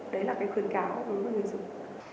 đấy là cái khuyến cáo đối với người dùng